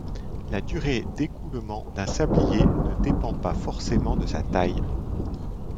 La durée d’écoulement d’un sablier ne dépend pas forcément de sa taille.